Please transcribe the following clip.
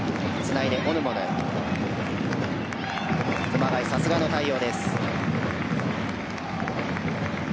熊谷、さすがの対応です。